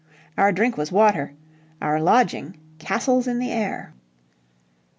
Our drink was water, our lodging castles in the air."